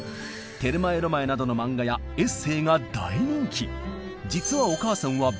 「テルマエ・ロマエ」などの漫画やエッセーが大人気。